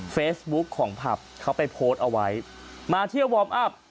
เฟซบุ๊คของผับเขาไปโพสต์เอาไว้มาเที่ยววอร์มอัพ